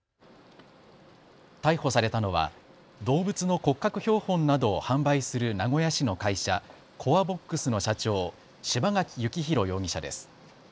逮捕されたのは動物の骨格標本などを販売する名古屋市の会社、コアボックスの社長、柴垣幸弘容疑者です。